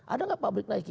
ada enggak pabrik nike